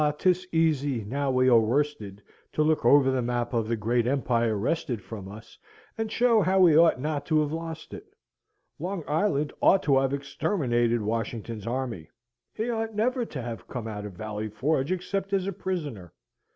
'tis easy, now we are worsted, to look over the map of the great empire wrested from us, and show how we ought not to have lost it. Long Island ought to have exterminated Washington's army; he ought never to have come out of Valley Forge except as a prisoner.